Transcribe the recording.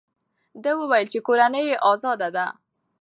ده وویل چې کورنۍ یې ازاده ده.